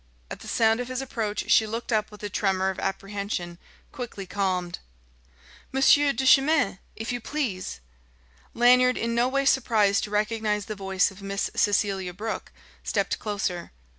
At the sound of his approach she looked up with a tremor of apprehension quickly calmed. "Monsieur Duchemin! If you please " Lanyard, in no way surprised to recognise the voice of Miss Cecelia Brooke, stepped closer.